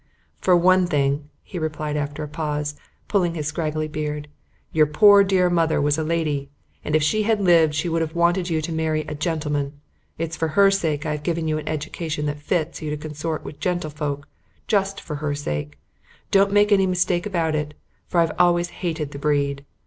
"For one thing," he replied after a pause, pulling his straggly beard, "your poor dear mother was a lady, and if she had lived she would have wanted you to marry a gentleman. It's for her sake I've given you an education that fits you to consort with gentlefolk just for her sake don't make any mistake about it, for I've always hated the breed.